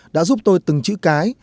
đã giúp tôi từng chữ cái